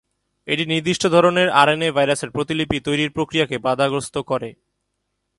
এটি নির্দিষ্ট ধরনের আরএনএ ভাইরাসের প্রতিলিপি তৈরির প্রক্রিয়াকে বাধাগ্রস্ত করে।